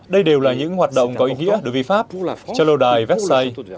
đây đều là những hoạt động có ý nghĩa đối với pháp cho lâu đài vessai